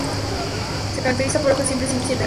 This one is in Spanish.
Se caracteriza por hojas siempre simples y enteras.